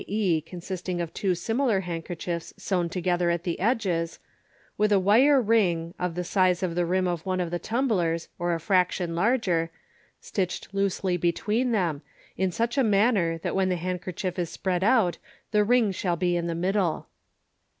e., consisting of two similar handkerchiefs sewn together at the edges), with a wire ring (of the size of the rim of one of the tumblers, or a fraction larger) stitched loosely between them, in such manner that when the handkerchief is spread out the ring shall be in the middle.